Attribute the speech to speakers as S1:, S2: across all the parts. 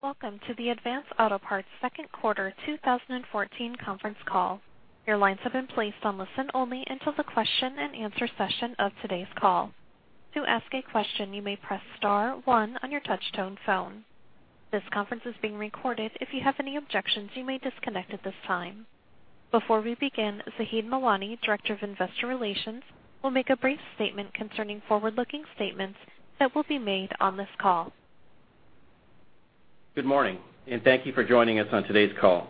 S1: Welcome to the Advance Auto Parts second quarter 2014 conference call. Your lines have been placed on listen only until the question and answer session of today's call. To ask a question, you may press star one on your touch-tone phone. This conference is being recorded. If you have any objections, you may disconnect at this time. Before we begin, Zaheed Mawani, Director of Investor Relations, will make a brief statement concerning forward-looking statements that will be made on this call.
S2: Good morning. Thank you for joining us on today's call.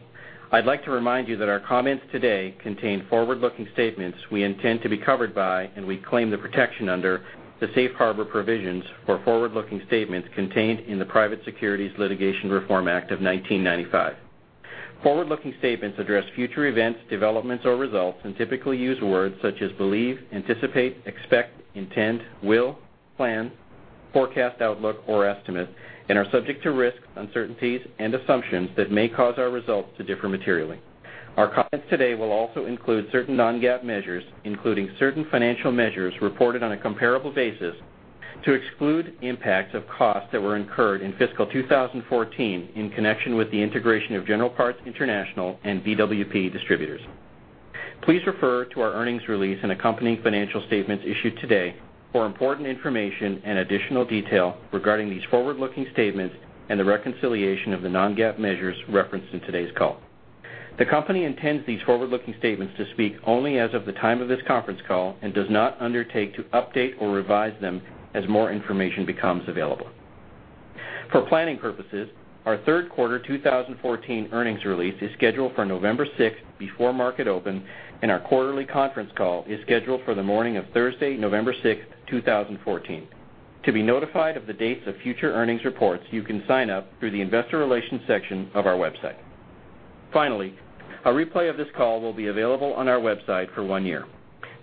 S2: I'd like to remind you that our comments today contain forward-looking statements we intend to be covered by, and we claim the protection under the safe harbor provisions for forward-looking statements contained in the Private Securities Litigation Reform Act of 1995. Forward-looking statements address future events, developments, or results and typically use words such as believe, anticipate, expect, intend, will, plan, forecast, outlook, or estimate, and are subject to risks, uncertainties, and assumptions that may cause our results to differ materially. Our comments today will also include certain non-GAAP measures, including certain financial measures reported on a comparable basis to exclude the impact of costs that were incurred in fiscal 2014 in connection with the integration of General Parts International and BWP Distributors. Please refer to our earnings release and accompanying financial statements issued today for important information and additional detail regarding these forward-looking statements and the reconciliation of the non-GAAP measures referenced in today's call. The company intends these forward-looking statements to speak only as of the time of this conference call and does not undertake to update or revise them as more information becomes available. For planning purposes, our third quarter 2014 earnings release is scheduled for November 6th, before market open, and our quarterly conference call is scheduled for the morning of Thursday, November 6th, 2014. To be notified of the dates of future earnings reports, you can sign up through the investor relations section of our website. Finally, a replay of this call will be available on our website for one year.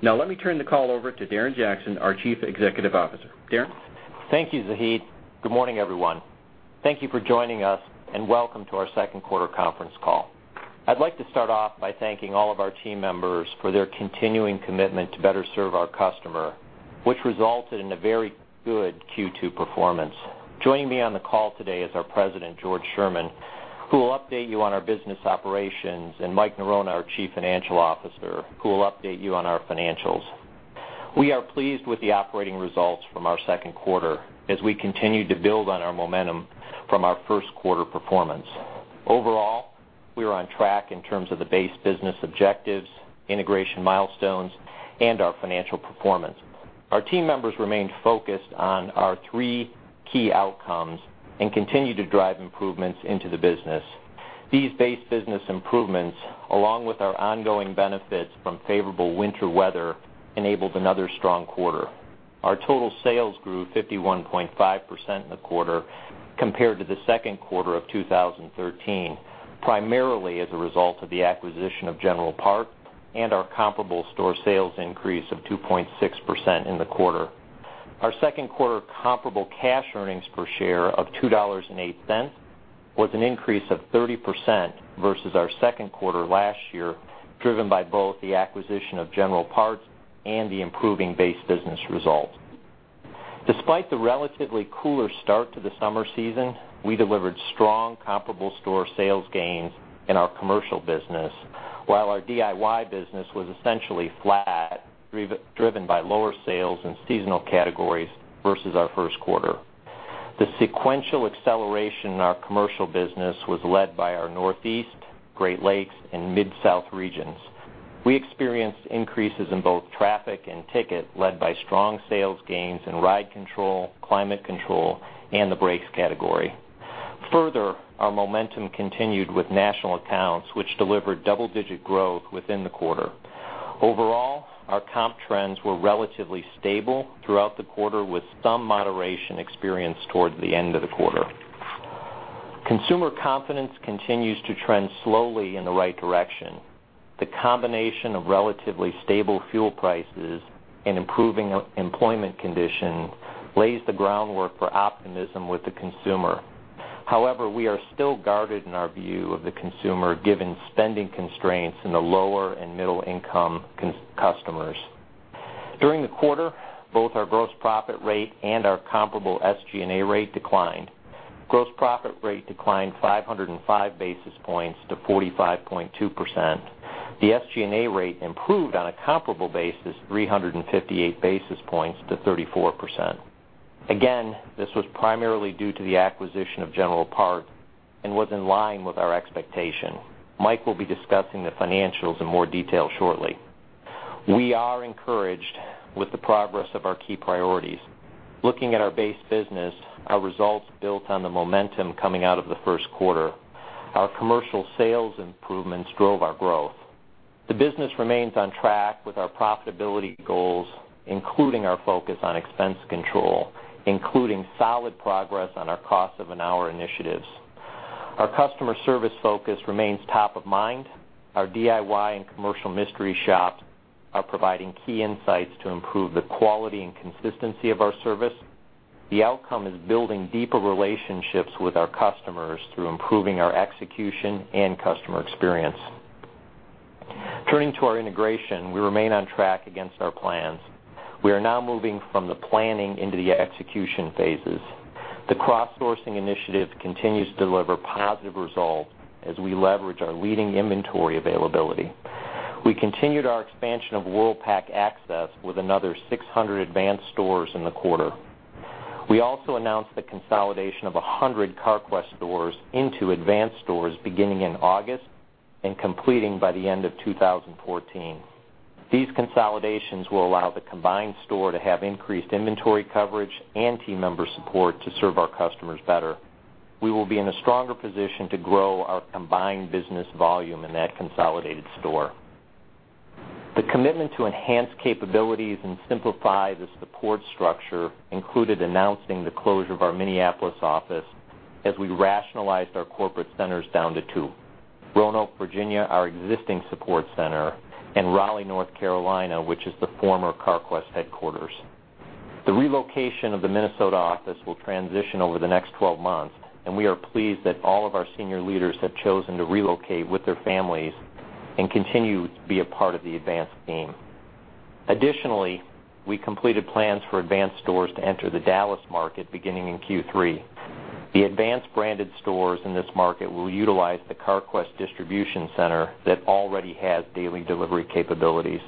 S2: Now, let me turn the call over to Darren Jackson, our Chief Executive Officer. Darren?
S3: Thank you, Zaheed. Good morning, everyone. Thank you for joining us. Welcome to our second quarter conference call. I'd like to start off by thanking all of our team members for their continuing commitment to better serve our customer, which resulted in a very good Q2 performance. Joining me on the call today is our President, George Sherman, who will update you on our business operations, and Mike Norona, our Chief Financial Officer, who will update you on our financials. We are pleased with the operating results from our second quarter as we continue to build on our momentum from our first quarter performance. Overall, we are on track in terms of the base business objectives, integration milestones, and our financial performance. Our team members remained focused on our three key outcomes and continue to drive improvements into the business. These base business improvements, along with our ongoing benefits from favorable winter weather, enabled another strong quarter. Our total sales grew 51.5% in the quarter compared to the second quarter of 2013, primarily as a result of the acquisition of General Parts and our comparable store sales increase of 2.6% in the quarter. Our second quarter comparable cash earnings per share of $2.08 was an increase of 30% versus our second quarter last year, driven by both the acquisition of General Parts and the improving base business results. Despite the relatively cooler start to the summer season, we delivered strong comparable store sales gains in our commercial business, while our DIY business was essentially flat, driven by lower sales in seasonal categories versus our first quarter. The sequential acceleration in our commercial business was led by our Northeast, Great Lakes, and Mid-South regions. Our momentum continued with national accounts, which delivered double-digit growth within the quarter. Overall, our comp trends were relatively stable throughout the quarter, with some moderation experienced towards the end of the quarter. Consumer confidence continues to trend slowly in the right direction. The combination of relatively stable fuel prices and improving employment conditions lays the groundwork for optimism with the consumer. We are still guarded in our view of the consumer, given spending constraints in the lower and middle-income customers. During the quarter, both our gross profit rate and our comparable SG&A rate declined. Gross profit rate declined 505 basis points to 45.2%. The SG&A rate improved on a comparable basis 358 basis points to 34%. This was primarily due to the acquisition of General Parts and was in line with our expectation. Mike will be discussing the financials in more detail shortly. We are encouraged with the progress of our key priorities. Looking at our base business, our results built on the momentum coming out of the first quarter. Our commercial sales improvements drove our growth. The business remains on track with our profitability goals, including our focus on expense control, including solid progress on our cost of an hour initiatives. Our customer service focus remains top of mind. Our DIY and commercial mystery shops are providing key insights to improve the quality and consistency of our service. The outcome is building deeper relationships with our customers through improving our execution and customer experience. Turning to our integration, we remain on track against our plans. We are now moving from the planning into the execution phases. The cross-sourcing initiative continues to deliver positive results as we leverage our leading inventory availability. We continued our expansion of Worldpac Access with another 600 Advance stores in the quarter. We also announced the consolidation of 100 Carquest stores into Advance stores beginning in August and completing by the end of 2014. These consolidations will allow the combined store to have increased inventory coverage and team member support to serve our customers better. We will be in a stronger position to grow our combined business volume in that consolidated store. The commitment to enhance capabilities and simplify the support structure included announcing the closure of our Minneapolis office as we rationalized our corporate centers down to two. Roanoke, Virginia, our existing support center, and Raleigh, North Carolina, which is the former Carquest headquarters. The relocation of the Minnesota office will transition over the next 12 months, and we are pleased that all of our senior leaders have chosen to relocate with their families and continue to be a part of the Advance team. Additionally, we completed plans for Advance stores to enter the Dallas market beginning in Q3. The Advance branded stores in this market will utilize the Carquest distribution center that already has daily delivery capabilities.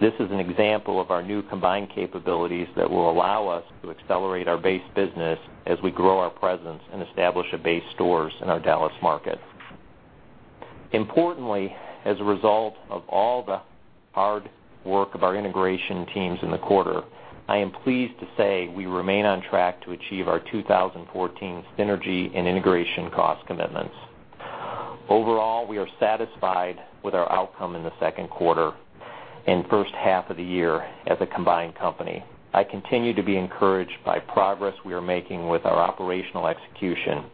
S3: This is an example of our new combined capabilities that will allow us to accelerate our base business as we grow our presence and establish a base stores in our Dallas market. Importantly, as a result of all the hard work of our integration teams in the quarter, I am pleased to say we remain on track to achieve our 2014 synergy and integration cost commitments. Overall, we are satisfied with our outcome in the second quarter and first half of the year as a combined company. I continue to be encouraged by progress we are making with our operational execution.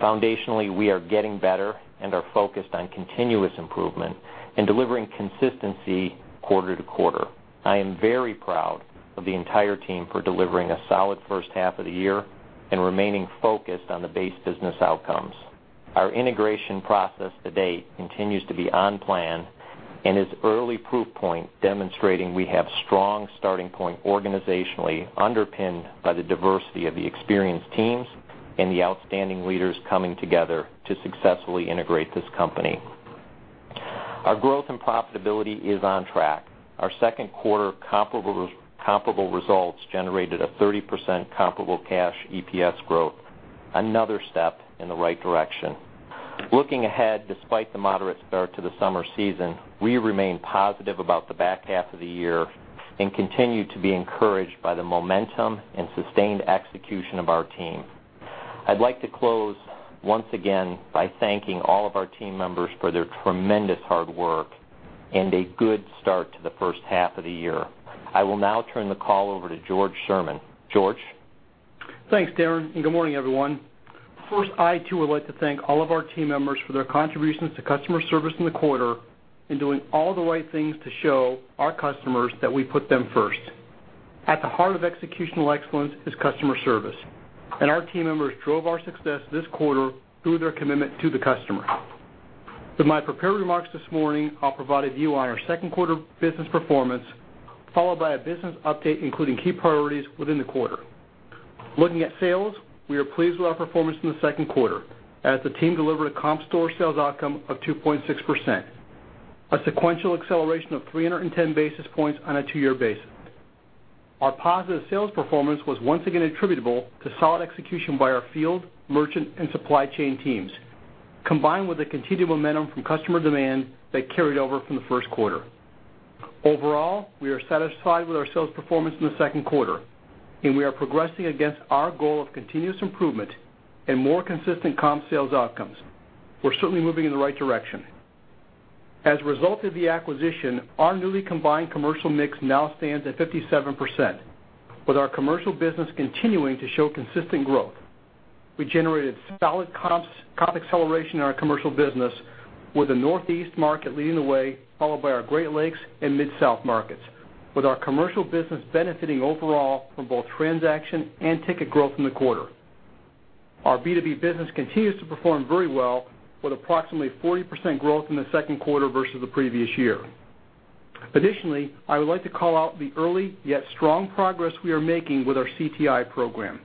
S3: Foundationally, we are getting better and are focused on continuous improvement and delivering consistency quarter to quarter. I am very proud of the entire team for delivering a solid first half of the year and remaining focused on the base business outcomes. Our integration process to date continues to be on plan and is early proof point demonstrating we have strong starting point organizationally underpinned by the diversity of the experienced teams and the outstanding leaders coming together to successfully integrate this company. Our growth and profitability is on track. Our second quarter comparable results generated a 30% comparable cash EPS growth, another step in the right direction. Looking ahead, despite the moderate start to the summer season, we remain positive about the back half of the year and continue to be encouraged by the momentum and sustained execution of our team. I'd like to close once again by thanking all of our team members for their tremendous hard work and a good start to the first half of the year. I will now turn the call over to George Sherman. George?
S4: Thanks, Darren. Good morning, everyone. First, I, too, would like to thank all of our team members for their contributions to customer service in the quarter and doing all the right things to show our customers that we put them first. At the heart of executional excellence is customer service, and our team members drove our success this quarter through their commitment to the customer. With my prepared remarks this morning, I'll provide a view on our second quarter business performance, followed by a business update, including key priorities within the quarter. Looking at sales, we are pleased with our performance in the second quarter as the team delivered a comp store sales outcome of 2.6%, a sequential acceleration of 310 basis points on a two-year basis. Our positive sales performance was once again attributable to solid execution by our field, merchant, and supply chain teams, combined with the continued momentum from customer demand that carried over from the first quarter. Overall, we are satisfied with our sales performance in the second quarter, and we are progressing against our goal of continuous improvement and more consistent comp sales outcomes. We're certainly moving in the right direction. As a result of the acquisition, our newly combined commercial mix now stands at 57%, with our commercial business continuing to show consistent growth. We generated solid comp acceleration in our commercial business with the Northeast market leading the way, followed by our Great Lakes and Mid-South markets, with our commercial business benefiting overall from both transaction and ticket growth in the quarter. Our B2B business continues to perform very well, with approximately 40% growth in the second quarter versus the previous year. Additionally, I would like to call out the early, yet strong progress we are making with our CTI program.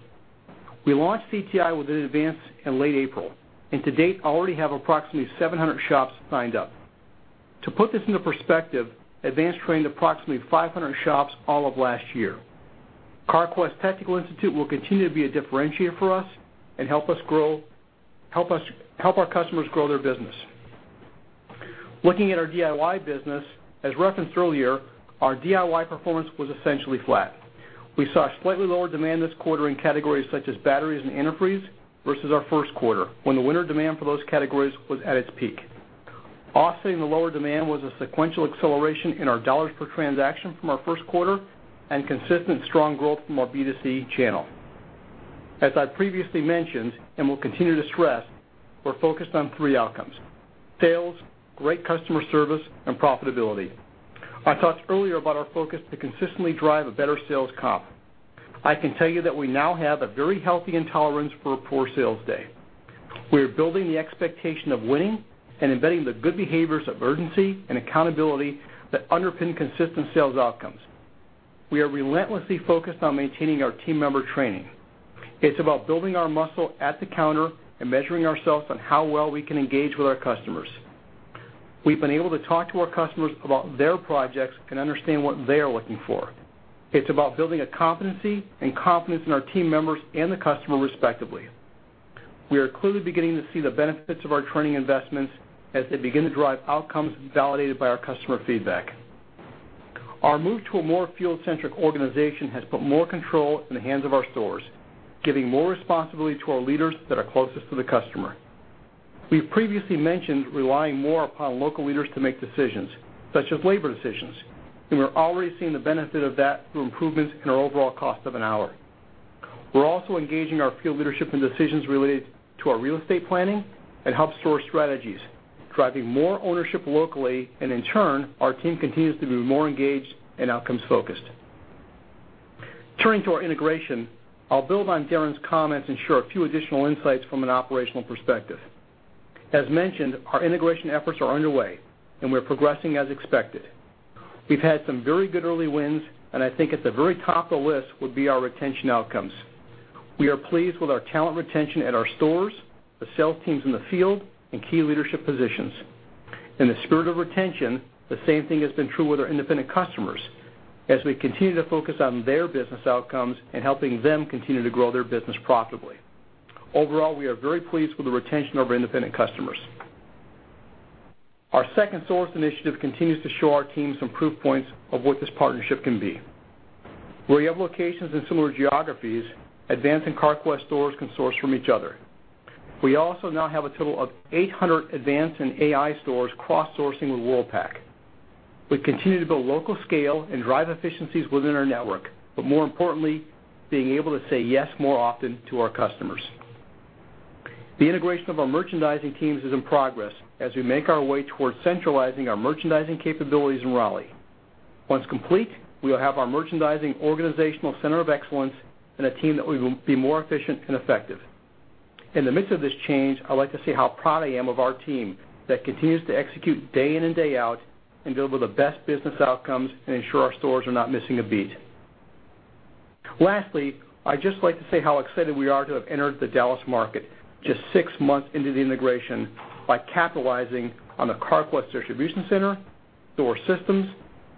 S4: We launched CTI within Advance in late April, and to date, already have approximately 700 shops signed up. To put this into perspective, Advance trained approximately 500 shops all of last year. Carquest Technical Institute will continue to be a differentiator for us and help our customers grow their business. Looking at our DIY business, as referenced earlier, our DIY performance was essentially flat. We saw slightly lower demand this quarter in categories such as batteries and antifreeze versus our first quarter, when the winter demand for those categories was at its peak. Offsetting the lower demand was a sequential acceleration in our dollars per transaction from our first quarter and consistent strong growth from our B2C channel. I previously mentioned and will continue to stress, we're focused on three outcomes, sales, great customer service, and profitability. I talked earlier about our focus to consistently drive a better sales comp. I can tell you that we now have a very healthy intolerance for a poor sales day. We are building the expectation of winning and embedding the good behaviors of urgency and accountability that underpin consistent sales outcomes. We are relentlessly focused on maintaining our team member training. It's about building our muscle at the counter and measuring ourselves on how well we can engage with our customers. We've been able to talk to our customers about their projects and understand what they are looking for. It's about building a competency and confidence in our team members and the customer, respectively. We are clearly beginning to see the benefits of our training investments as they begin to drive outcomes validated by our customer feedback. Our move to a more field-centric organization has put more control in the hands of our stores, giving more responsibility to our leaders that are closest to the customer. We've previously mentioned relying more upon local leaders to make decisions, such as labor decisions, and we're already seeing the benefit of that through improvements in our overall cost of an hour. We're also engaging our field leadership in decisions related to our real estate planning and hub store strategies, driving more ownership locally, and in turn, our team continues to be more engaged and outcomes-focused. Turning to our integration, I'll build on Darren's comments and share a few additional insights from an operational perspective. As mentioned, our integration efforts are underway. We're progressing as expected. We've had some very good early wins. I think at the very top of the list would be our retention outcomes. We are pleased with our talent retention at our stores, the sales teams in the field, and key leadership positions. In the spirit of retention, the same thing has been true with our independent customers, as we continue to focus on their business outcomes and helping them continue to grow their business profitably. Overall, we are very pleased with the retention of our independent customers. Our second source initiative continues to show our teams some proof points of what this partnership can be. Where you have locations in similar geographies, Advance and Carquest stores can source from each other. We also now have a total of 800 Advance and AI stores cross-sourcing with Worldpac. We continue to build local scale and drive efficiencies within our network. More importantly, being able to say yes more often to our customers. The integration of our merchandising teams is in progress as we make our way towards centralizing our merchandising capabilities in Raleigh. Once complete, we will have our merchandising organizational center of excellence and a team that will be more efficient and effective. In the midst of this change, I'd like to say how proud I am of our team that continues to execute day in and day out and deliver the best business outcomes and ensure our stores are not missing a beat. Lastly, I'd just like to say how excited we are to have entered the Dallas market just six months into the integration by capitalizing on the Carquest distribution center, store systems,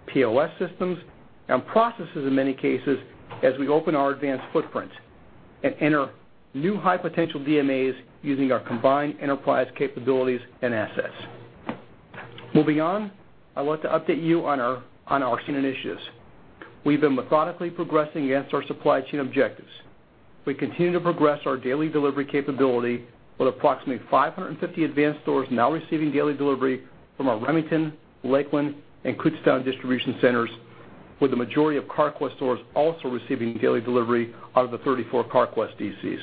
S4: POS systems, and processes, in many cases, as we open our Advance footprint and enter new high-potential DMAs using our combined enterprise capabilities and assets. Moving on, I'd like to update you on our chain initiatives. We've been methodically progressing against our supply chain objectives. We continue to progress our daily delivery capability with approximately 550 Advance stores now receiving daily delivery from our Remington, Lakeland, and Kutztown distribution centers, with the majority of Carquest stores also receiving daily delivery out of the 34 Carquest DCs.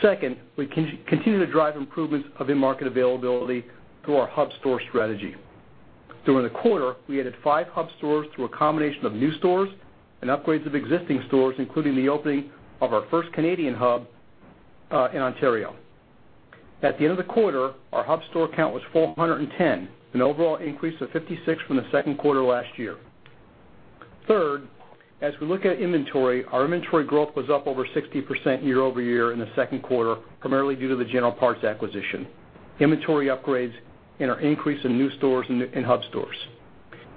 S4: Second, we continue to drive improvements of in-market availability through our hub store strategy. During the quarter, we added five hub stores through a combination of new stores and upgrades of existing stores, including the opening of our first Canadian hub in Ontario. At the end of the quarter, our hub store count was 410, an overall increase of 56 from the second quarter last year. Third, as we look at inventory, our inventory growth was up over 60% year-over-year in the second quarter, primarily due to the General Parts acquisition, inventory upgrades, and our increase in new stores and hub stores.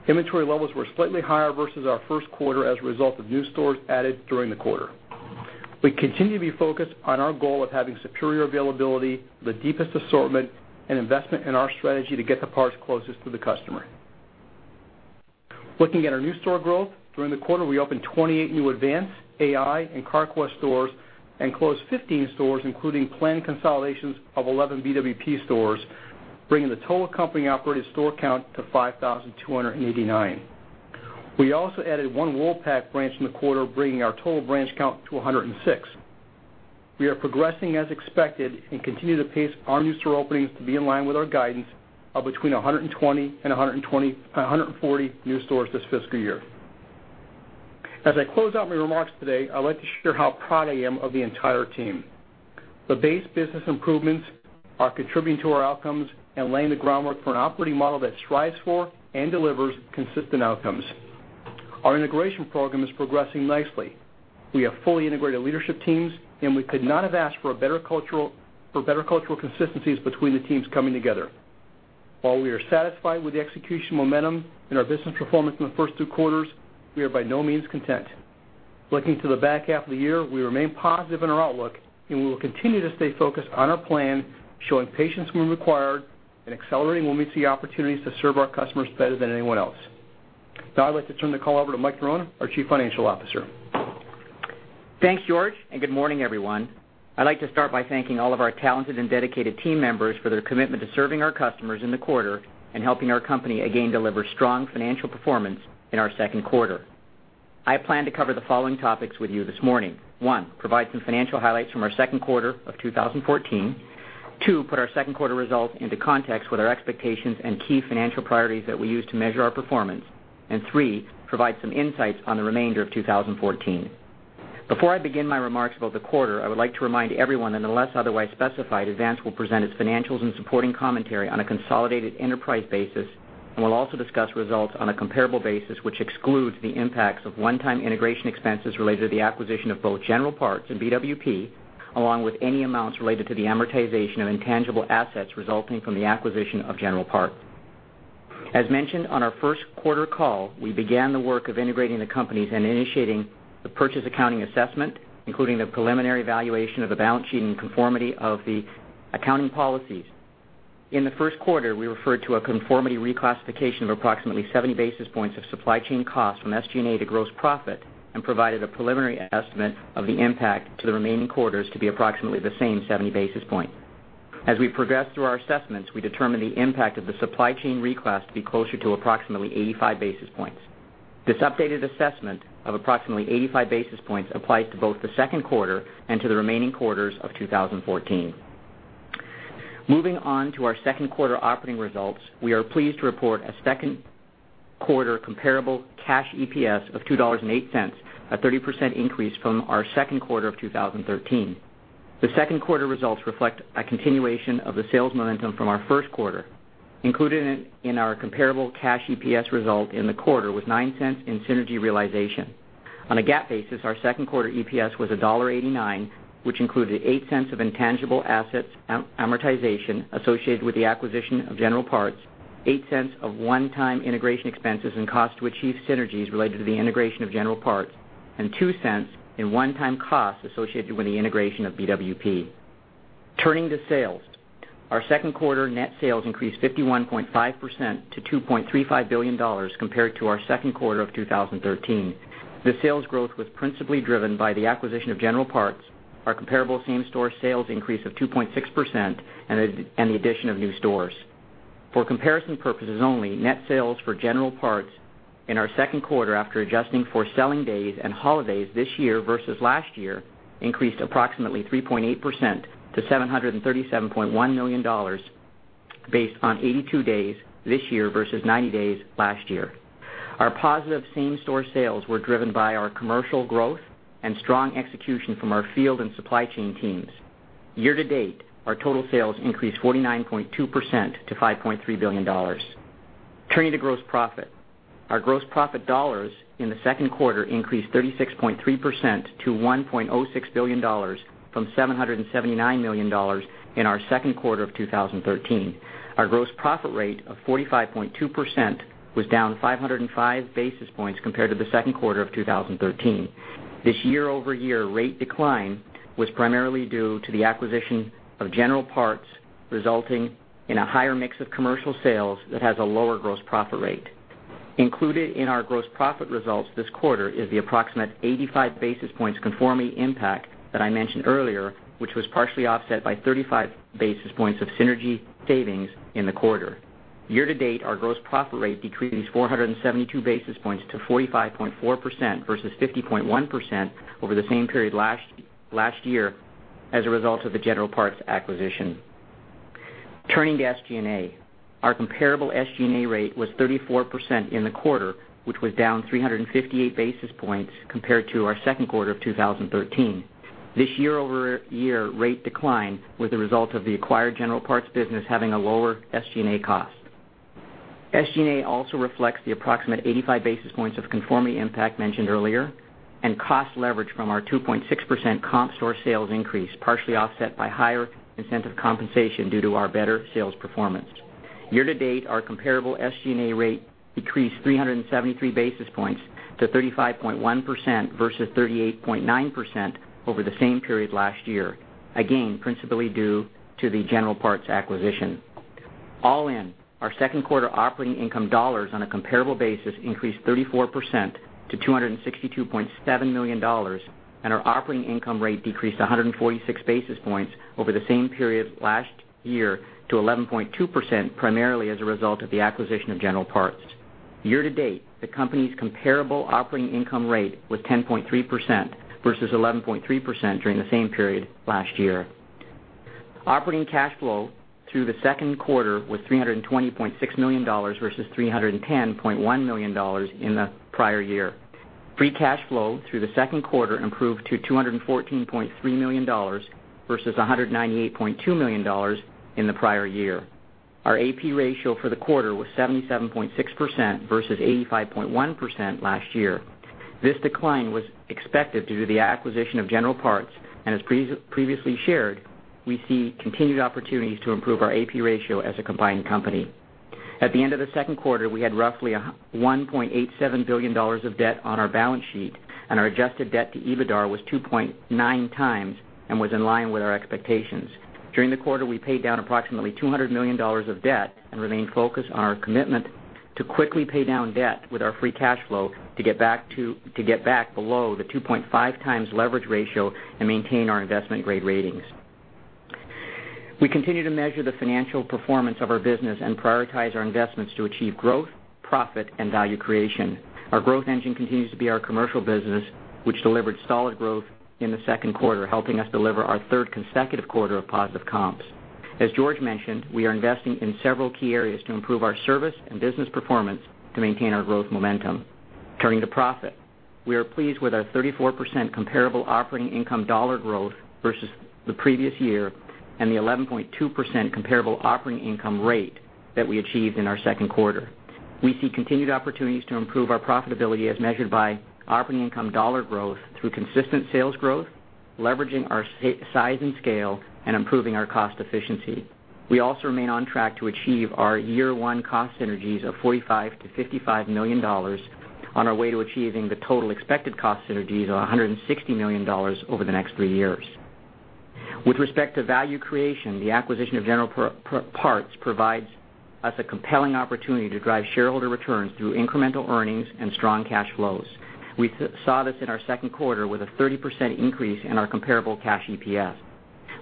S4: Inventory levels were slightly higher versus our first quarter as a result of new stores added during the quarter. We continue to be focused on our goal of having superior availability, the deepest assortment, and investment in our strategy to get the parts closest to the customer. Looking at our new store growth, during the quarter, we opened 28 new Advance, AI, and Carquest stores and closed 15 stores, including planned consolidations of 11 BWP stores, bringing the total company-operated store count to 5,289. We also added one Worldpac branch in the quarter, bringing our total branch count to 106. We are progressing as expected and continue to pace our new store openings to be in line with our guidance of between 120 and 140 new stores this fiscal year. As I close out my remarks today, I'd like to share how proud I am of the entire team. The base business improvements are contributing to our outcomes and laying the groundwork for an operating model that strives for and delivers consistent outcomes. Our integration program is progressing nicely. We have fully integrated leadership teams. We could not have asked for better cultural consistencies between the teams coming together. While we are satisfied with the execution momentum and our business performance in the first two quarters, we are by no means content. Looking to the back half of the year, we remain positive in our outlook. We will continue to stay focused on our plan, showing patience when required and accelerating when we see opportunities to serve our customers better than anyone else. Now I'd like to turn the call over to Mike Norona, our Chief Financial Officer.
S5: Thanks, George. Good morning, everyone. I'd like to start by thanking all of our talented and dedicated team members for their commitment to serving our customers in the quarter and helping our company again deliver strong financial performance in our second quarter. I plan to cover the following topics with you this morning. One, provide some financial highlights from our second quarter of 2014. Two, put our second quarter results into context with our expectations and key financial priorities that we use to measure our performance. Three, provide some insights on the remainder of 2014. Before I begin my remarks about the quarter, I would like to remind everyone that unless otherwise specified, Advance will present its financials and supporting commentary on a consolidated enterprise basis. We'll also discuss results on a comparable basis, which excludes the impacts of one-time integration expenses related to the acquisition of both General Parts and BWP, along with any amounts related to the amortization of intangible assets resulting from the acquisition of General Parts. As mentioned on our first quarter call, we began the work of integrating the companies and initiating the purchase accounting assessment, including the preliminary valuation of the balance sheet and conformity of the accounting policies. In the first quarter, we referred to a conformity reclassification of approximately 70 basis points of supply chain costs from SG&A to gross profit and provided a preliminary estimate of the impact to the remaining quarters to be approximately the same 70 basis points. As we progress through our assessments, we determine the impact of the supply chain reclass to be closer to approximately 85 basis points. This updated assessment of approximately 85 basis points applies to both the second quarter and to the remaining quarters of 2014. Moving on to our second quarter operating results, we are pleased to report a second-quarter comparable cash EPS of $2.08, a 30% increase from our second quarter of 2013. The second quarter results reflect a continuation of the sales momentum from our first quarter, included in our comparable cash EPS result in the quarter with $0.09 in synergy realization. On a GAAP basis, our second quarter EPS was $1.89, which included $0.08 of intangible assets amortization associated with the acquisition of General Parts, $0.08 of one-time integration expenses and cost to achieve synergies related to the integration of General Parts, and $0.02 in one-time costs associated with the integration of BWP. Turning to sales. Our second quarter net sales increased 51.5% to $2.35 billion compared to our second quarter of 2013. The sales growth was principally driven by the acquisition of General Parts, our comparable same-store sales increase of 2.6%, and the addition of new stores. For comparison purposes only, net sales for General Parts in our second quarter, after adjusting for selling days and holidays this year versus last year, increased approximately 3.8% to $737.1 million based on 82 days this year versus 90 days last year. Our positive same-store sales were driven by our commercial growth and strong execution from our field and supply chain teams. Year to date, our total sales increased 49.2% to $5.3 billion. Turning to gross profit. Our gross profit dollars in the second quarter increased 36.3% to $1.06 billion from $779 million in our second quarter of 2013. Our gross profit rate of 45.2% was down 505 basis points compared to the second quarter of 2013. This year-over-year rate decline was primarily due to the acquisition of General Parts, resulting in a higher mix of commercial sales that has a lower gross profit rate. Included in our gross profit results this quarter is the approximate 85 basis points conformity impact that I mentioned earlier, which was partially offset by 35 basis points of synergy savings in the quarter. Year to date, our gross profit rate decreased 472 basis points to 45.4% versus 50.1% over the same period last year as a result of the General Parts acquisition. Turning to SG&A. Our comparable SG&A rate was 34% in the quarter, which was down 358 basis points compared to our second quarter of 2013. This year-over-year rate decline was the result of the acquired General Parts business having a lower SG&A cost. SG&A also reflects the approximate 85 basis points of conformity impact mentioned earlier and cost leverage from our 2.6% comp store sales increase, partially offset by higher incentive compensation due to our better sales performance. Year to date, our comparable SG&A rate decreased 373 basis points to 35.1% versus 38.9% over the same period last year. Again, principally due to the General Parts acquisition. All in, our second quarter operating income dollars on a comparable basis increased 34% to $262.7 million, and our operating income rate decreased 146 basis points over the same period last year to 11.2%, primarily as a result of the acquisition of General Parts. Year to date, the company's comparable operating income rate was 10.3% versus 11.3% during the same period last year. Operating cash flow through the second quarter was $320.6 million versus $310.1 million in the prior year. Free cash flow through the second quarter improved to $214.3 million versus $198.2 million in the prior year. Our AP ratio for the quarter was 77.6% versus 85.1% last year. This decline was expected due to the acquisition of General Parts, as previously shared, we see continued opportunities to improve our AP ratio as a combined company. At the end of the second quarter, we had roughly $1.87 billion of debt on our balance sheet, and our adjusted debt to EBITDA was 2.9 times and was in line with our expectations. During the quarter, we paid down approximately $200 million of debt and remain focused on our commitment to quickly pay down debt with our free cash flow to get back below the 2.5 times leverage ratio and maintain our investment-grade ratings. We continue to measure the financial performance of our business and prioritize our investments to achieve growth profit, and value creation. Our growth engine continues to be our commercial business, which delivered solid growth in the second quarter, helping us deliver our third consecutive quarter of positive comps. As George mentioned, we are investing in several key areas to improve our service and business performance to maintain our growth momentum. Turning to profit, we are pleased with our 34% comparable operating income dollar growth versus the previous year and the 11.2% comparable operating income rate that we achieved in our second quarter. We see continued opportunities to improve our profitability as measured by operating income dollar growth through consistent sales growth, leveraging our size and scale, and improving our cost efficiency. We also remain on track to achieve our year one cost synergies of $45 million-$55 million on our way to achieving the total expected cost synergies of $160 million over the next three years. With respect to value creation, the acquisition of General Parts provides us a compelling opportunity to drive shareholder returns through incremental earnings and strong cash flows. We saw this in our second quarter with a 30% increase in our comparable cash EPS.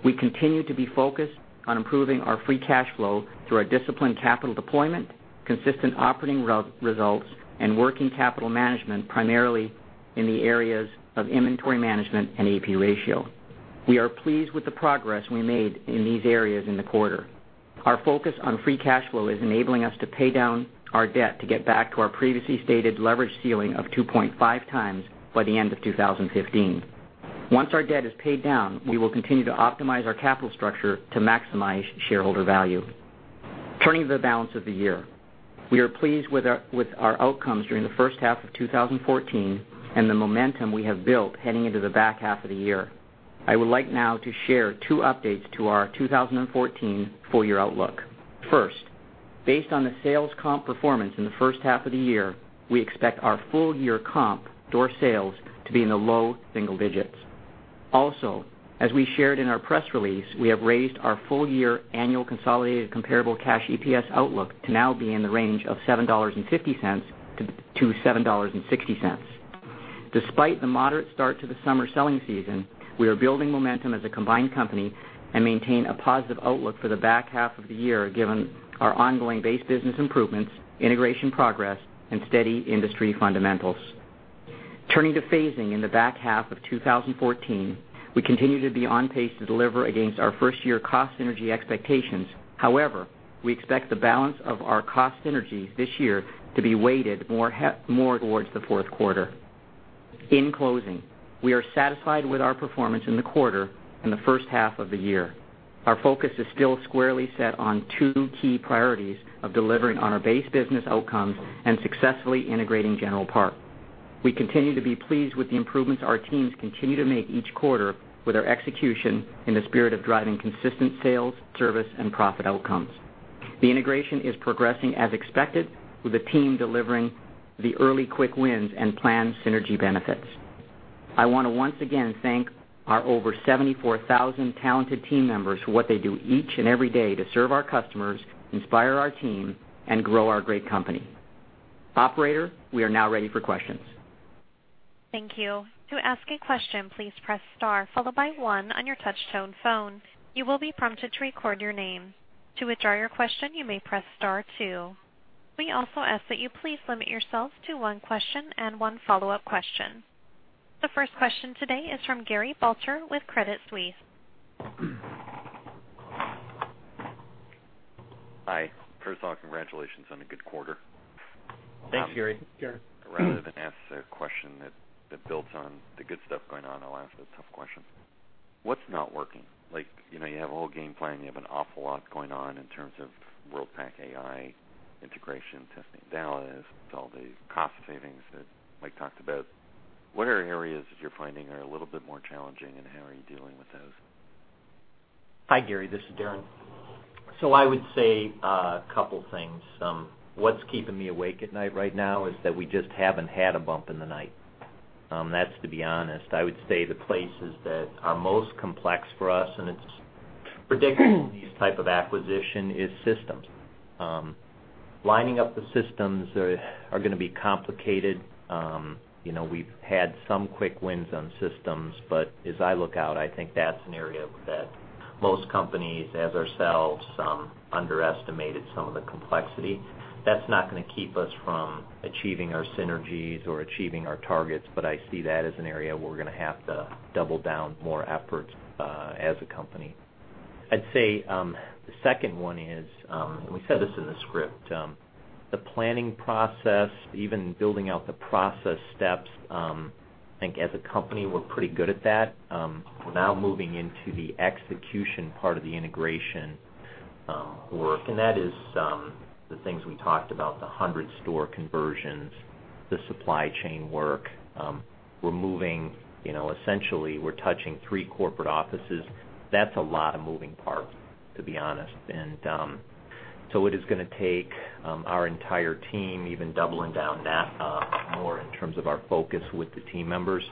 S5: We continue to be focused on improving our free cash flow through our disciplined capital deployment, consistent operating results, and working capital management, primarily in the areas of inventory management and AP ratio. We are pleased with the progress we made in these areas in the quarter. Our focus on free cash flow is enabling us to pay down our debt to get back to our previously stated leverage ceiling of 2.5 times by the end of 2015. Once our debt is paid down, we will continue to optimize our capital structure to maximize shareholder value. Turning to the balance of the year, we are pleased with our outcomes during the first half of 2014 and the momentum we have built heading into the back half of the year. I would like now to share two updates to our 2014 full-year outlook. First, based on the sales comp performance in the first half of the year, we expect our full-year comp store sales to be in the low single digits. Also, as we shared in our press release, we have raised our full-year annual consolidated comparable cash EPS outlook to now be in the range of $7.50-$7.60. Despite the moderate start to the summer selling season, we are building momentum as a combined company and maintain a positive outlook for the back half of the year given our ongoing base business improvements, integration progress, and steady industry fundamentals. Turning to phasing in the back half of 2014, we continue to be on pace to deliver against our first-year cost synergy expectations. However, we expect the balance of our cost synergies this year to be weighted more towards the fourth quarter. In closing, we are satisfied with our performance in the quarter and the first half of the year. Our focus is still squarely set on two key priorities of delivering on our base business outcomes and successfully integrating General Parts. We continue to be pleased with the improvements our teams continue to make each quarter with our execution in the spirit of driving consistent sales, service, and profit outcomes. The integration is progressing as expected, with the team delivering the early quick wins and planned synergy benefits. I want to once again thank our over 74,000 talented team members for what they do each and every day to serve our customers, inspire our team, and grow our great company. Operator, we are now ready for questions.
S1: Thank you. To ask a question, please press star followed by one on your touch-tone phone. You will be prompted to record your name. To withdraw your question, you may press star two. We also ask that you please limit yourself to one question and one follow-up question. The first question today is from Gary Balter with Credit Suisse.
S6: Hi. First of all, congratulations on a good quarter.
S5: Thanks, Gary.
S6: Rather than ask the question that builds on the good stuff going on, I'll ask the tough question. What's not working? You have a whole game plan. You have an awful lot going on in terms of Worldpac AI integration, testing Dallas, all these cost savings that Mike talked about. What are areas that you're finding are a little bit more challenging, and how are you dealing with those?
S3: Hi, Gary. This is Darren. I would say a couple of things. What's keeping me awake at night right now is that we just haven't had a bump in the night. That's to be honest. I would say the places that are most complex for us, and it's predictable in these type of acquisition, is systems. Lining up the systems are going to be complicated. We've had some quick wins on systems, but as I look out, I think that's an area that most companies, as ourselves, underestimated some of the complexity. That's not going to keep us from achieving our synergies or achieving our targets, but I see that as an area where we're going to have to double down more efforts as a company. I'd say the second one is, and we said this in the script, the planning process, even building out the process steps. I think as a company, we're pretty good at that. We're now moving into the execution part of the integration work, and that is the things we talked about, the 100-store conversions, the supply chain work. Essentially, we're touching three corporate offices. That's a lot of moving parts, to be honest. It is going to take our entire team even doubling down that more in terms of our focus with the team members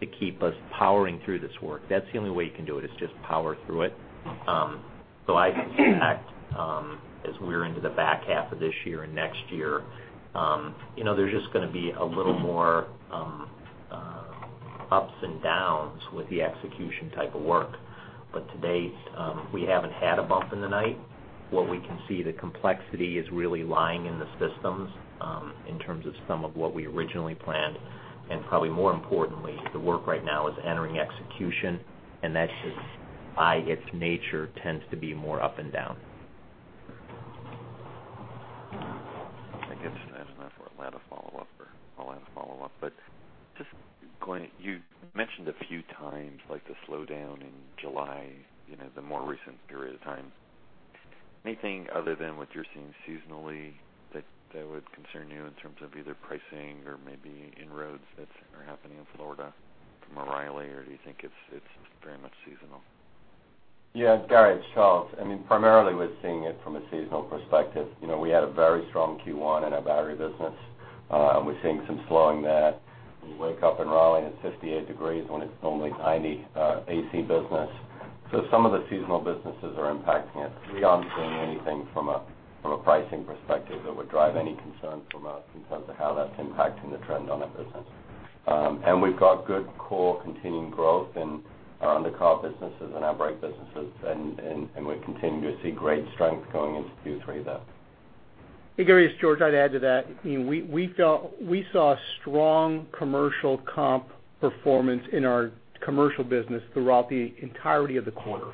S3: to keep us powering through this work. That's the only way you can do it, is just power through it. I expect as we're into the back half of this year and next year, there's just going to be a little more Ups and downs with the execution type of work. To date, we haven't had a bump in the night. What we can see, the complexity is really lying in the systems, in terms of some of what we originally planned. Probably more importantly, the work right now is entering execution, and that, just by its nature, tends to be more up and down.
S6: I guess I have enough for a lot of follow-up or a last follow-up. Just going, you mentioned a few times, like the slowdown in July, the more recent period of time. Anything other than what you're seeing seasonally that would concern you in terms of either pricing or maybe inroads that are happening in Florida from O'Reilly? Do you think it's very much seasonal?
S7: Yeah. Gary, it's Charles. Primarily, we're seeing it from a seasonal perspective. We had a very strong Q1 in our battery business. We're seeing some slowing that. You wake up in Raleigh and it's 58 degrees when it's normally 90 AC business. Some of the seasonal businesses are impacting it. We aren't seeing anything from a pricing perspective that would drive any concern from us in terms of how that's impacting the trend on that business. We've got good core continuing growth in the car businesses and our brake businesses, and we continue to see great strength going into Q3 there.
S4: Hey, Gary, it's George. I'd add to that. We saw strong commercial comp performance in our commercial business throughout the entirety of the quarter.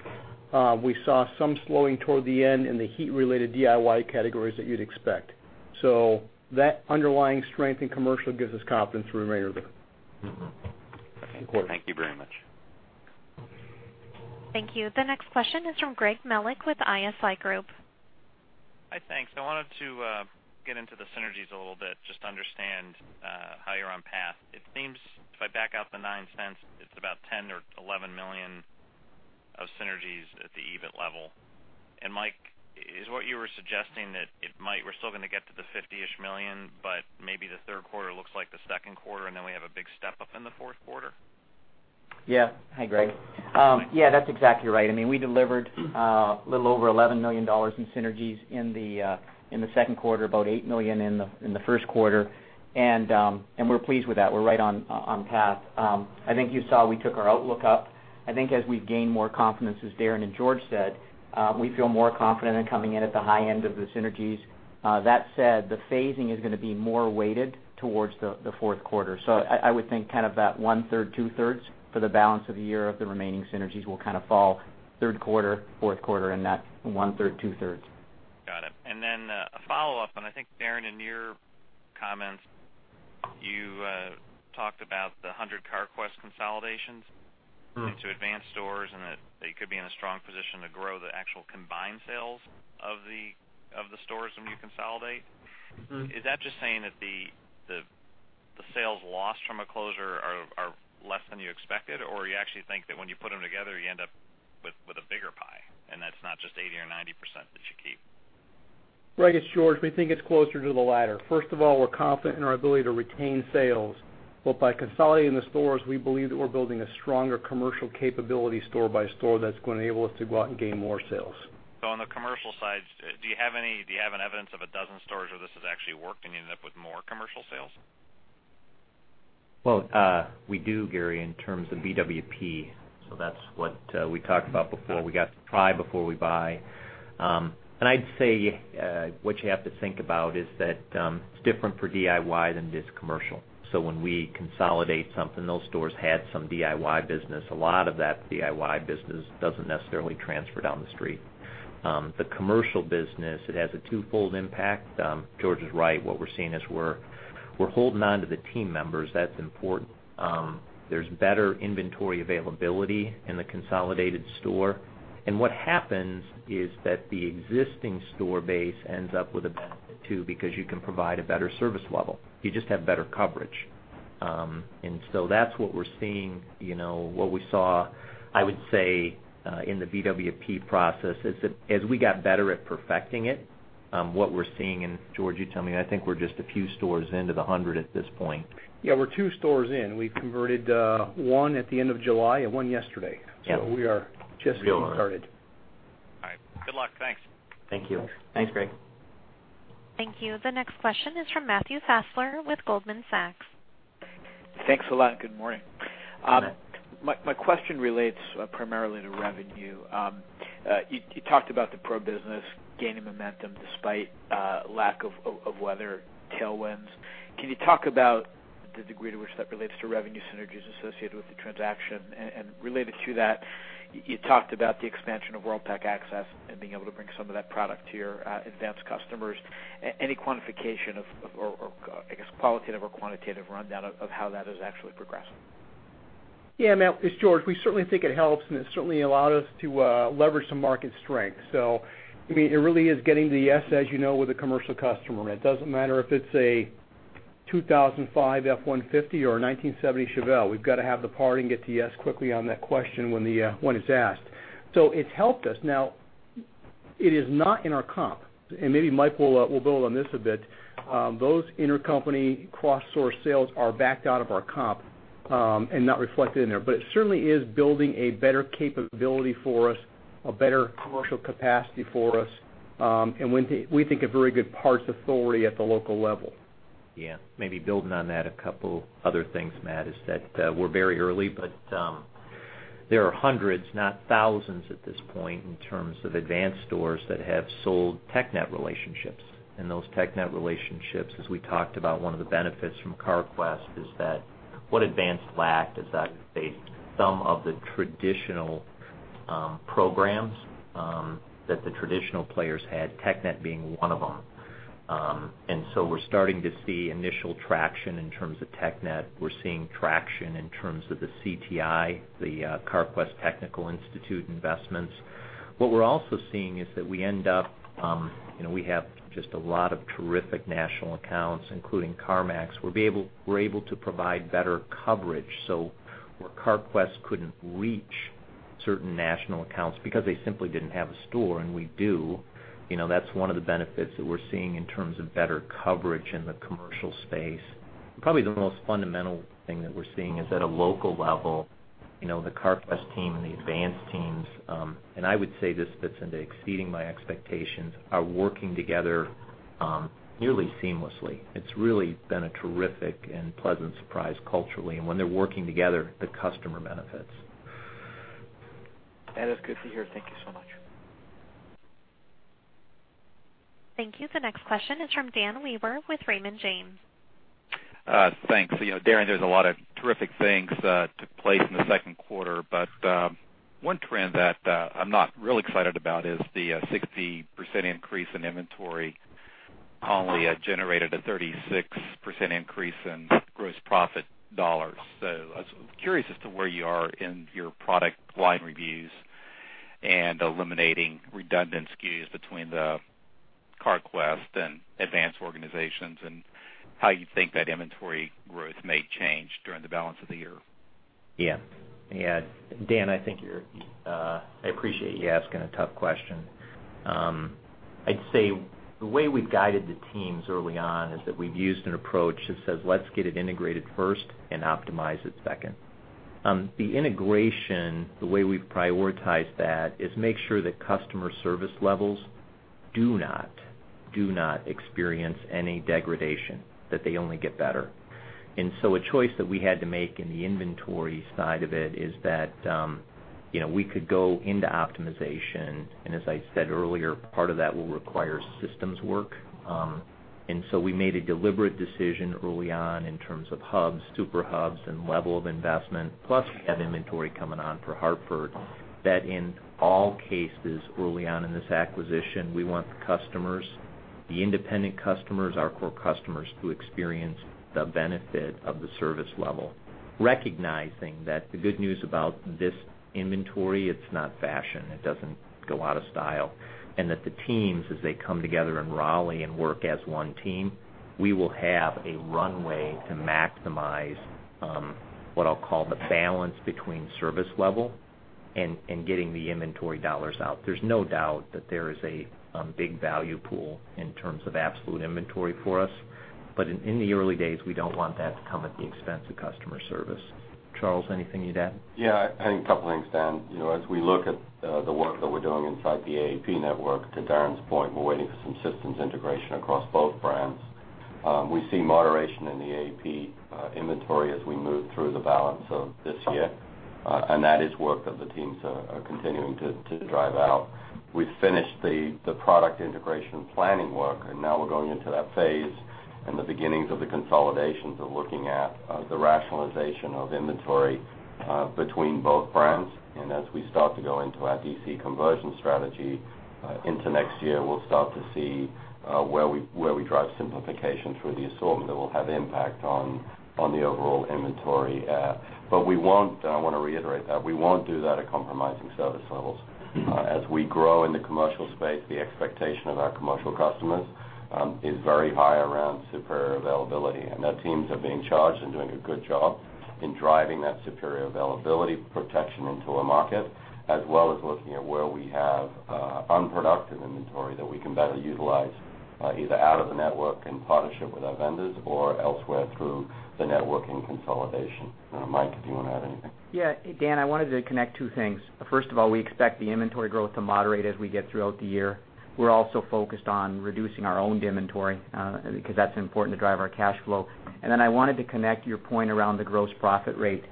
S4: We saw some slowing toward the end in the heat-related DIY categories that you'd expect. That underlying strength in commercial gives us confidence for the remainder of the quarter.
S6: Okay. Thank you very much.
S1: Thank you. The next question is from Greg Melich with ISI Group.
S8: Hi, thanks. I wanted to get into the synergies a little bit, just to understand how you're on path. It seems, if I back out the $0.09, it's about $10 million or $11 million of synergies at the EBIT level. Mike, is what you were suggesting that we're still going to get to the $50-ish million, but maybe the third quarter looks like the second quarter, and then we have a big step-up in the fourth quarter?
S5: Yeah. Hi, Greg.
S8: Hi, Mike.
S5: Yeah, that's exactly right. We delivered a little over $11 million in synergies in the second quarter, about $8 million in the first quarter, and we're pleased with that. We're right on path. I think you saw we took our outlook up. I think as we gain more confidence, as Darren and George said, we feel more confident in coming in at the high end of the synergies. That said, the phasing is going to be more weighted towards the fourth quarter. I would think kind of that one third, two thirds for the balance of the year of the remaining synergies will kind of fall third quarter, fourth quarter in that one third, two thirds.
S8: Got it. Then a follow-up, and I think Darren, in your comments, you talked about the 100 Carquest consolidations into Advance stores, and that you could be in a strong position to grow the actual combined sales of the stores when you consolidate. Is that just saying that the sales lost from a closure are less than you expected, or you actually think that when you put them together, you end up with a bigger pie, and that's not just 80% or 90% that you keep?
S4: Greg, it's George. We think it's closer to the latter. First of all, we're confident in our ability to retain sales, but by consolidating the stores, we believe that we're building a stronger commercial capability store by store that's going to enable us to go out and gain more sales.
S8: On the commercial side, do you have an evidence of 12 stores where this has actually worked, and you end up with more commercial sales?
S3: Well, we do, Gary, in terms of BWP. That's what we talked about before. We got to try before we buy. I'd say, what you have to think about is that it's different for DIY than it is commercial. When we consolidate something, those stores had some DIY business. A lot of that DIY business doesn't necessarily transfer down the street. The commercial business, it has a twofold impact. George is right. What we're seeing is we're holding on to the team members. That's important. There's better inventory availability in the consolidated store. What happens is that the existing store base ends up with a benefit, too, because you can provide a better service level. You just have better coverage. That's what we're seeing. What we saw, I would say, in the BWP process is that as we got better at perfecting it, what we're seeing, George, you tell me, I think we're just a few stores into the 100 at this point.
S4: Yeah, we're two stores in. We converted one at the end of July and one yesterday.
S3: Yeah.
S4: We are just getting started.
S8: All right. Good luck. Thanks.
S3: Thank you.
S5: Thanks, Greg.
S1: Thank you. The next question is from Matthew Fassler with Goldman Sachs.
S9: Thanks a lot. Good morning.
S3: Good morning.
S9: My question relates primarily to revenue. You talked about the pro business gaining momentum despite lack of weather tailwinds. Can you talk about the degree to which that relates to revenue synergies associated with the transaction? Related to that, you talked about the expansion of Worldpac Access and being able to bring some of that product to your Advance customers. Any quantification of, or I guess, qualitative or quantitative rundown of how that is actually progressing?
S4: Yeah, Matt, it's George. We certainly think it helps, and it certainly allowed us to leverage some market strength. It really is getting to yes, as you know, with a commercial customer. It doesn't matter if it's a 2005 F-150 or a 1970 Chevelle. We've got to have the part and get to yes quickly on that question when it's asked. It's helped us. Now, it is not in our comp, and maybe Mike will build on this a bit. Those intercompany cross-source sales are backed out of our comp, and not reflected in there. It certainly is building a better capability for us, a better commercial capacity for us We think a very good parts authority at the local level.
S3: Yeah. Maybe building on that, a couple other things, Matt, is that we're very early, but there are hundreds, not thousands at this point, in terms of Advance stores that have sold TechNet relationships. Those TechNet relationships, as we talked about, one of the benefits from Carquest is that what Advance lacked is that they, some of the traditional programs that the traditional players had, TechNet being one of them. We're starting to see initial traction in terms of TechNet. We're seeing traction in terms of the CTI, the Carquest Technical Institute investments. What we're also seeing is that we end up, we have just a lot of terrific national accounts, including CarMax. We're able to provide better coverage. Where Carquest couldn't reach certain national accounts because they simply didn't have a store, and we do, that's one of the benefits that we're seeing in terms of better coverage in the commercial space. Probably the most fundamental thing that we're seeing is at a local level, the Carquest team and the Advance teams, and I would say this fits into exceeding my expectations, are working together nearly seamlessly. It's really been a terrific and pleasant surprise culturally. When they're working together, the customer benefits.
S9: That is good to hear. Thank you so much.
S1: Thank you. The next question is from Dan Wewer with Raymond James.
S10: Thanks. Darren, there's a lot of terrific things took place in the second quarter, but one trend that I'm not real excited about is the 60% increase in inventory only generated a 36% increase in gross profit dollars. I was curious as to where you are in your product line reviews and eliminating redundant SKUs between the Carquest and Advance organizations, and how you think that inventory growth may change during the balance of the year.
S3: Yeah. Dan, I appreciate you asking a tough question. I'd say the way we've guided the teams early on is that we've used an approach that says, let's get it integrated first and optimize it second. The integration, the way we've prioritized that, is make sure that customer service levels do not experience any degradation, that they only get better. A choice that we had to make in the inventory side of it is that we could go into optimization, and as I said earlier, part of that will require systems work. We made a deliberate decision early on in terms of hubs, super hubs, and level of investment, plus we have inventory coming on for Hartford, that in all cases early on in this acquisition, we want the customers, the independent customers, our core customers, to experience the benefit of the service level. Recognizing that the good news about this inventory, it's not fashion. It doesn't go out of style. The teams, as they come together in Raleigh and work as one team, we will have a runway to maximize, what I'll call the balance between service level and getting the inventory $ out. There's no doubt that there is a big value pool in terms of absolute inventory for us. In the early days, we don't want that to come at the expense of customer service. Charles, anything you'd add?
S7: Yeah, I think a couple of things, Dan. As we look at the work that we're doing inside the AAP network, to Darren's point, we're waiting for some systems integration across both brands. We see moderation in the AAP inventory as we move through the balance of this year. That is work that the teams are continuing to drive out. We've finished the product integration planning work, and now we're going into that phase and the beginnings of the consolidations of looking at the rationalization of inventory between both brands. As we start to go into our DC conversion strategy into next year, we'll start to see where we drive simplification through the assortment that will have impact on the overall inventory. I want to reiterate that we won't do that at compromising service levels. As we grow in the commercial space, the expectation of our commercial customers is very high around superior availability. Our teams have been charged and doing a good job in driving that superior availability protection into a market, as well as looking at where we have unproductive inventory that we can better utilize either out of the network in partnership with our vendors or elsewhere through the network in consolidation. Mike, did you want to add anything?
S5: Dan, I wanted to connect two things. First of all, we expect the inventory growth to moderate as we get throughout the year. We're also focused on reducing our owned inventory, because that's important to drive our cash flow. Then I wanted to connect your point around the gross profit rate.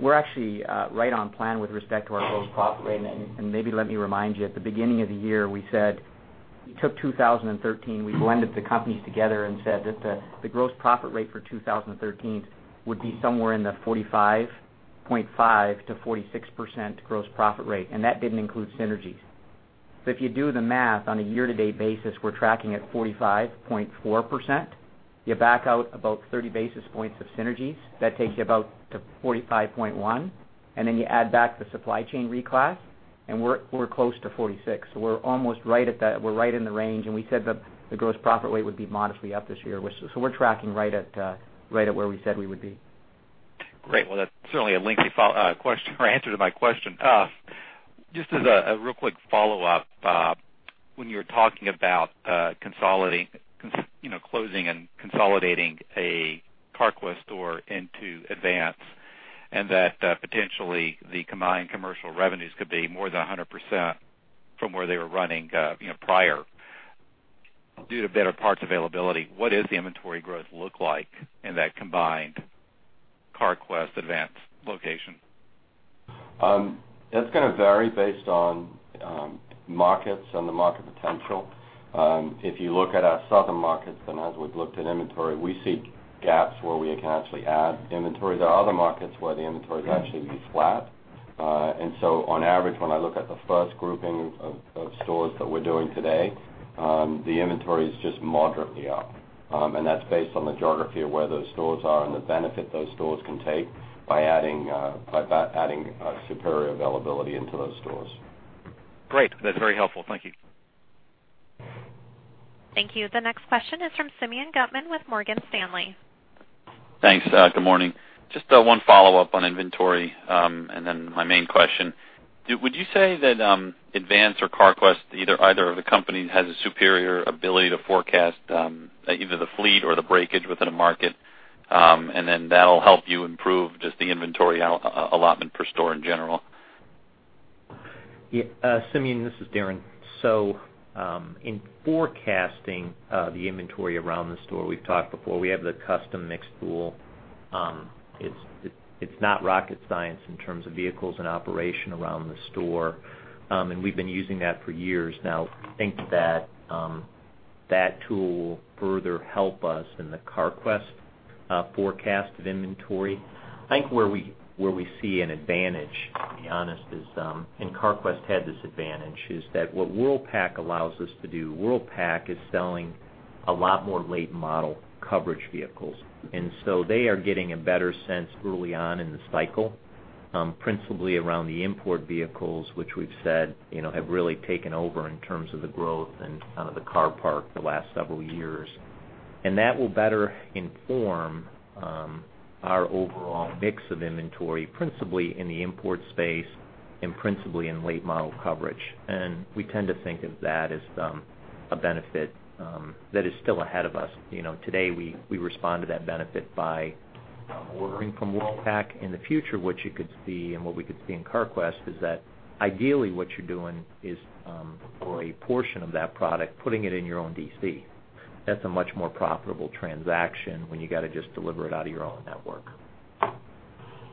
S5: We're actually right on plan with respect to our gross profit rate. Maybe let me remind you, at the beginning of the year, we took 2013, we blended the companies together and said that the gross profit rate for 2013 would be somewhere in the 45.5%-46% gross profit rate, and that didn't include synergies. If you do the math on a year-to-date basis, we're tracking at 45.4%. You back out about 30 basis points of synergies, that takes you about to 45.1%. You add back the supply chain reclass, and we're close to 46%. We're right in the range, and we said that the gross profit rate would be modestly up this year. We're tracking right at where we said we would be.
S10: Great. Well, that's certainly a lengthy answer to my question. Just as a real quick follow-up, when you're talking about closing and consolidating a Carquest store into Advance That potentially the combined commercial revenues could be more than 100% from where they were running prior due to better parts availability. What does the inventory growth look like in that combined Carquest, Advance location?
S7: That's going to vary based on markets and the market potential. If you look at our southern markets, as we've looked at inventory, we see gaps where we can actually add inventory. There are other markets where the inventory could actually be flat. So on average, when I look at the first grouping of stores that we're doing today, the inventory is just moderately up. That's based on the geography of where those stores are and the benefit those stores can take by adding superior availability into those stores.
S10: Great. That's very helpful. Thank you.
S1: Thank you. The next question is from Simeon Gutman with Morgan Stanley.
S11: Thanks. Good morning. Just one follow-up on inventory, and then my main question. Would you say that Advance or Carquest, either of the companies, has a superior ability to forecast either the fleet or the breakage within a market, and then that'll help you improve just the inventory allotment per store in general?
S3: Yeah. Simeon, this is Darren. In forecasting the inventory around the store, we've talked before, we have the custom mix tool. It's not rocket science in terms of vehicles and operation around the store, and we've been using that for years now. I think that that tool will further help us in the Carquest forecast of inventory. I think where we see an advantage, to be honest, and Carquest had this advantage, is that what Worldpac allows us to do, Worldpac is selling a lot more late model coverage vehicles. They are getting a better sense early on in the cycle, principally around the import vehicles, which we've said have really taken over in terms of the growth and out of the car park the last several years. That will better inform our overall mix of inventory, principally in the import space and principally in late model coverage. We tend to think of that as a benefit that is still ahead of us. Today, we respond to that benefit by ordering from Worldpac. In the future, what you could see and what we could see in Carquest is that ideally what you're doing is, for a portion of that product, putting it in your own DC. That's a much more profitable transaction when you got to just deliver it out of your own network.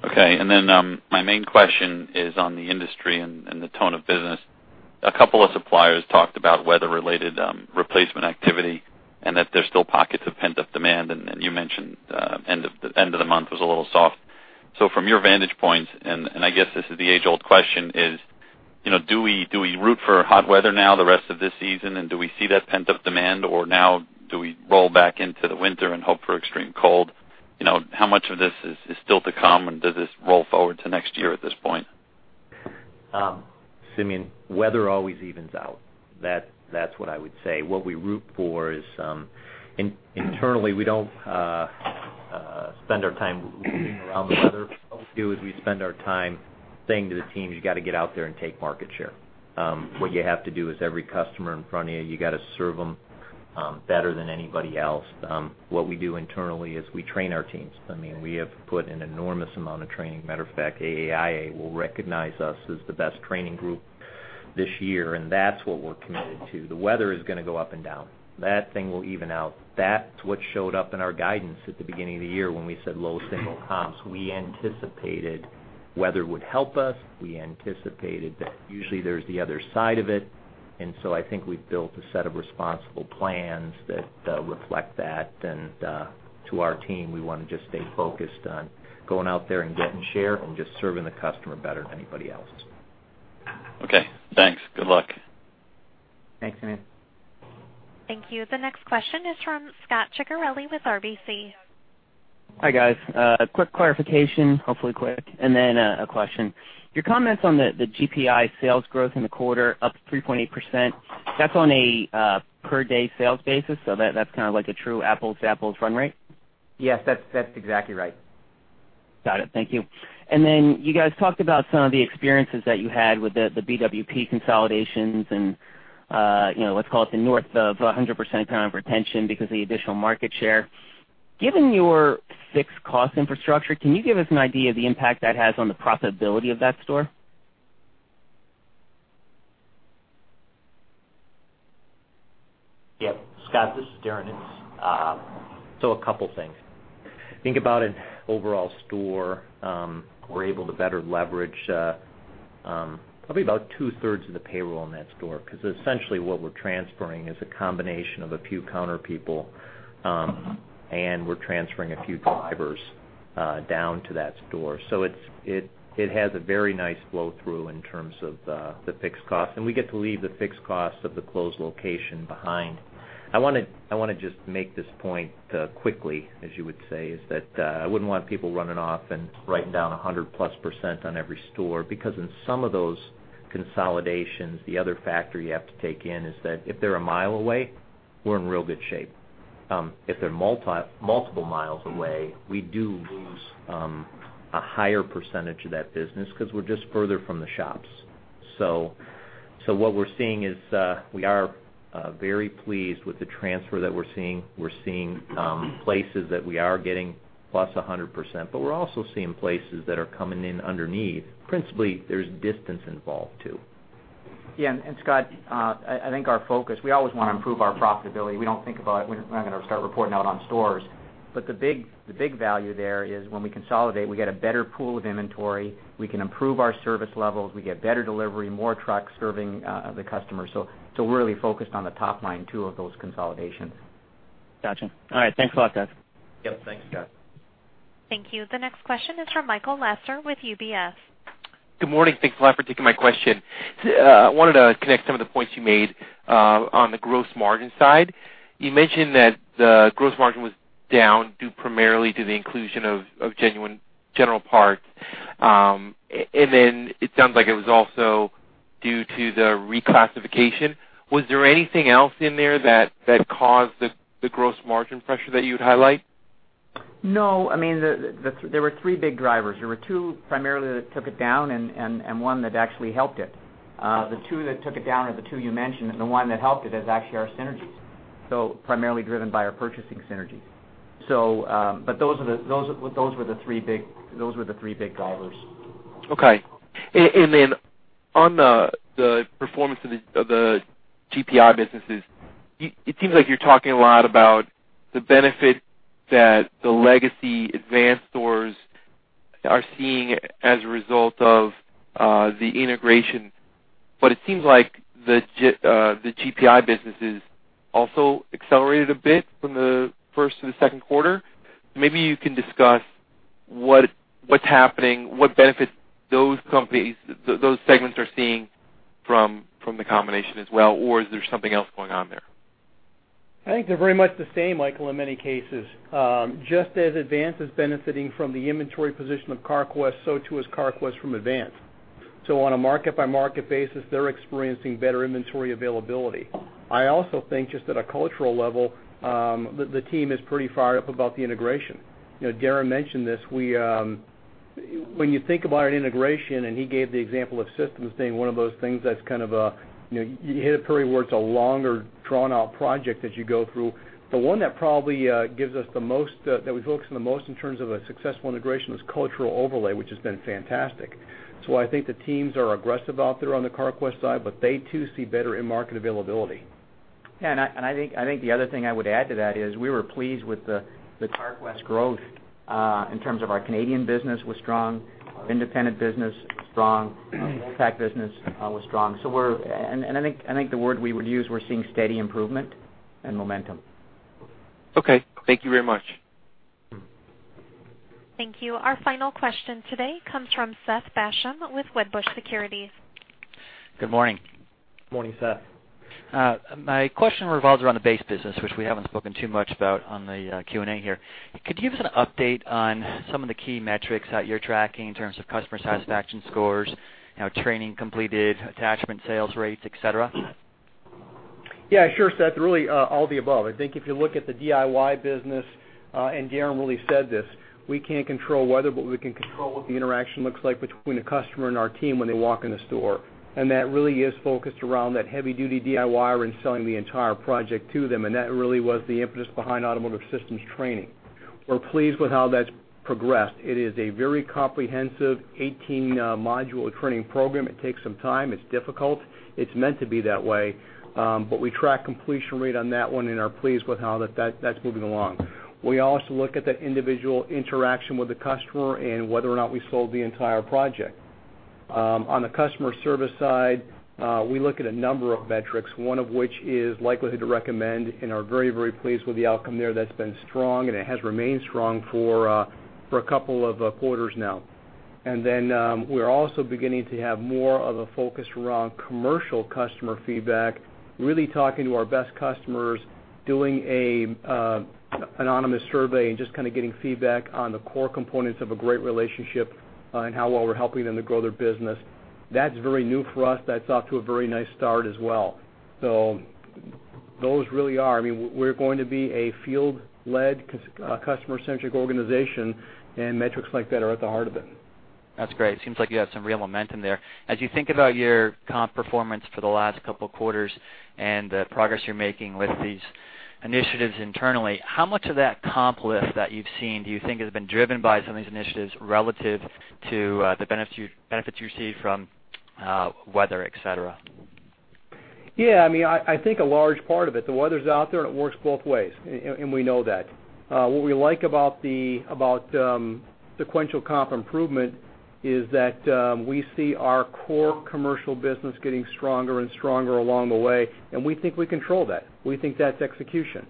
S11: Okay. My main question is on the industry and the tone of business. A couple of suppliers talked about weather-related replacement activity and that there's still pockets of pent-up demand, and you mentioned end of the month was a little soft. From your vantage point, and I guess this is the age-old question, is do we root for hot weather now the rest of this season, and do we see that pent-up demand, or now do we roll back into the winter and hope for extreme cold? How much of this is still to come, and does this roll forward to next year at this point?
S3: Simeon, weather always evens out. That's what I would say. What we root for is, internally, we don't spend our time rooting around the weather. What we do is we spend our time saying to the teams, "You got to get out there and take market share." What you have to do is every customer in front of you got to serve them better than anybody else. What we do internally is we train our teams. We have put an enormous amount of training. Matter of fact, AAIA will recognize us as the best training group this year, and that's what we're committed to. The weather is going to go up and down. That thing will even out. That's what showed up in our guidance at the beginning of the year when we said low single comps. We anticipated weather would help us. We anticipated that usually there's the other side of it, so I think we've built a set of responsible plans that reflect that. To our team, we want to just stay focused on going out there and getting share and just serving the customer better than anybody else.
S11: Okay, thanks. Good luck.
S3: Thanks, Simeon.
S1: Thank you. The next question is from Scot Ciccarelli with RBC.
S12: Hi, guys. A quick clarification, hopefully quick, and then a question. Your comments on the GPI sales growth in the quarter, up 3.8%, that's on a per-day sales basis, so that's kind of like a true apples-to-apples run rate?
S3: Yes, that's exactly right.
S12: Got it. Thank you. You guys talked about some of the experiences that you had with the BWP consolidations and, let's call it the north of 100% kind of retention because of the additional market share. Given your fixed cost infrastructure, can you give us an idea of the impact that has on the profitability of that store?
S3: Yep, Scot, this is Darren. A couple things. Think about an overall store. We're able to better leverage probably about two-thirds of the payroll in that store because essentially what we're transferring is a combination of a few counter people, and we're transferring a few drivers down to that store. It has a very nice flow-through in terms of the fixed cost. We get to leave the fixed cost of the closed location behind. I want to just make this point quickly, as you would say, is that I wouldn't want people running off and writing down 100-plus percent on every store because in some of those consolidations, the other factor you have to take in is that if they're a mile away, we're in real good shape. If they're multiple miles away, we do lose a higher percentage of that business because we're just further from the shops.
S4: What we're seeing is, we are very pleased with the transfer that we're seeing. We're seeing places that we are getting plus 100%, but we're also seeing places that are coming in underneath. Principally, there's distance involved, too.
S5: Yeah, Scot, I think our focus, we always want to improve our profitability. We're not going to start reporting out on stores. The big value there is when we consolidate, we get a better pool of inventory, we can improve our service levels, we get better delivery, more trucks serving the customers. We're really focused on the top line, too, of those consolidations.
S12: Got you. All right. Thanks a lot, guys.
S4: Yep. Thanks, Scot.
S1: Thank you. The next question is from Michael Lasser with UBS.
S13: Good morning. Thanks a lot for taking my question. I wanted to connect some of the points you made on the gross margin side. You mentioned that the gross margin was down due primarily to the inclusion of General Parts International. It sounds like it was also due to the reclassification. Was there anything else in there that caused the gross margin pressure that you'd highlight?
S5: No. There were three big drivers. There were two primarily that took it down and one that actually helped it. The two that took it down are the two you mentioned, and the one that helped it is actually our synergies. Primarily driven by our purchasing synergies. Those were the three big drivers.
S13: Okay. On the performance of the GPI businesses, it seems like you're talking a lot about the benefit that the legacy Advance stores are seeing as a result of the integration, but it seems like the GPI businesses also accelerated a bit from the first to the second quarter. Maybe you can discuss what's happening, what benefits those segments are seeing from the combination as well, or is there something else going on there?
S4: I think they're very much the same, Michael, in many cases. Just as Advance is benefiting from the inventory position of Carquest, so too is Carquest from Advance. On a market-by-market basis, they're experiencing better inventory availability. I also think just at a cultural level, the team is pretty fired up about the integration. Darren mentioned this. When you think about an integration, he gave the example of systems being one of those things that's kind of you hit a period where it's a longer drawn-out project that you go through. The one that we focused on the most in terms of a successful integration was cultural overlay, which has been fantastic. I think the teams are aggressive out there on the Carquest side, but they too see better in-market availability.
S5: I think the other thing I would add to that is we were pleased with the Carquest growth in terms of our Canadian business was strong, our independent business was strong, our Worldpac business was strong. I think the word we would use, we're seeing steady improvement and momentum.
S13: Okay. Thank you very much.
S1: Thank you. Our final question today comes from Seth Basham with Wedbush Securities.
S14: Good morning.
S4: Morning, Seth.
S14: My question revolves around the base business, which we haven't spoken too much about on the Q&A here. Could you give us an update on some of the key metrics that you're tracking in terms of customer satisfaction scores, training completed, attachment sales rates, et cetera?
S4: Yeah, sure, Seth. Really, all the above. I think if you look at the DIY business, Darren really said this, we can't control weather, but we can control what the interaction looks like between the customer and our team when they walk in the store. That really is focused around that heavy-duty DIY-er and selling the entire project to them, and that really was the impetus behind Automotive Systems training. We're pleased with how that's progressed. It is a very comprehensive 18-module training program. It takes some time. It's difficult. It's meant to be that way. We track completion rate on that one and are pleased with how that's moving along. We also look at the individual interaction with the customer and whether or not we sold the entire project. On the customer service side, we look at a number of metrics, one of which is likelihood to recommend and are very, very pleased with the outcome there. That's been strong, and it has remained strong for a couple of quarters now. We're also beginning to have more of a focus around commercial customer feedback, really talking to our best customers, doing an anonymous survey and just kind of getting feedback on the core components of a great relationship and how well we're helping them to grow their business. That's very new for us. That's off to a very nice start as well. We're going to be a field-led, customer-centric organization, and metrics like that are at the heart of it.
S14: That's great. Seems like you have some real momentum there. As you think about your comp performance for the last couple of quarters and the progress you're making with these initiatives internally, how much of that comp lift that you've seen do you think has been driven by some of these initiatives relative to the benefits you received from weather, et cetera?
S4: Yeah, I think a large part of it. The weather's out there, and it works both ways, and we know that. What we like about sequential comp improvement is that we see our core commercial business getting stronger and stronger along the way, and we think we control that. We think that's execution.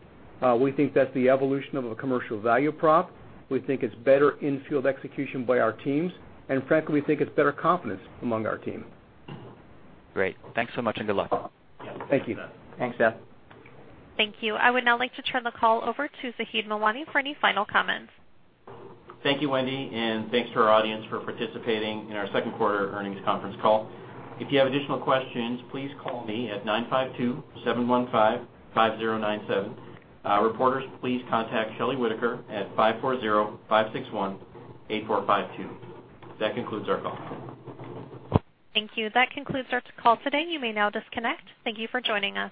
S4: We think that's the evolution of a commercial value prop. We think it's better in-field execution by our teams. Frankly, we think it's better confidence among our team.
S14: Great. Thanks so much and good luck.
S4: Thank you.
S5: Thanks, Seth.
S1: Thank you. I would now like to turn the call over to Zaheed Mawani for any final comments.
S2: Thank you, Wendy, and thanks to our audience for participating in our second quarter earnings conference call. If you have additional questions, please call me at 952-715-5097. Reporters, please contact Shelley Whitaker at 540-561-8452. That concludes our call.
S1: Thank you. That concludes our call today. You may now disconnect. Thank you for joining us.